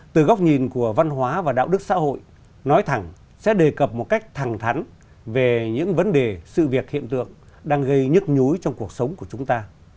từ góc nhìn của văn hóa và đạo đức xã hội nói thẳng sẽ đề cập một cách thẳng thắn về những vấn đề sự việc hiện tượng đang gây nhức nhúi trong cuộc sống của chúng ta